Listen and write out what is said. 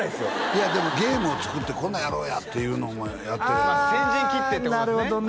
いやでもゲームを作って「こんなんやろうや」っていうのをやってああなるほどね